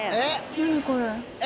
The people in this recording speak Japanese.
何これ？